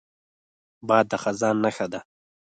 باد د خزان نښه ده